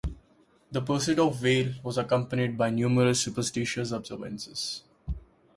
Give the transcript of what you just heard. The pursuit of the whale was accompanied by numerous superstitious observances.